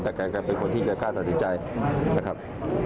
แต่แกเป็นคนที่จะกล้าตัดสินใจนะครับ